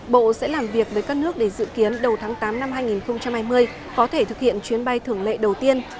bộ sẽ làm việc với các nước để dự kiến đầu tháng tám năm hai nghìn hai mươi có thể thực hiện chuyến bay thường lệ đầu tiên